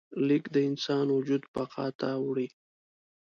لیک د انسان وجود بقا ته وړي.